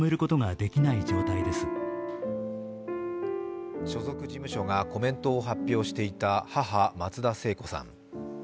一方所属事務所がコメントを発表していた母・松田聖子さん。